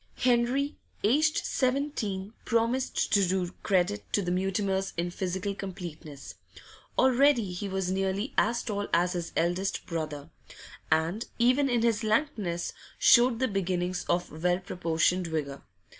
Henry, aged seventeen, promised to do credit to the Mutimers in physical completeness; already he was nearly as tall as his eldest brother; and, even in his lankness, showed the beginnings of well proportioned vigour.